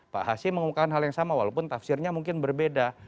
pak hasim mengumumkan hal yang sama walaupun tafsirnya mungkin berbeda